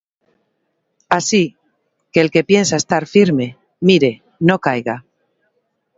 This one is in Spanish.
Así que, el que piensa estar firme, mire no caiga.